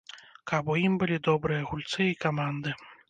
Каб у ім былі добрыя гульцы і каманды.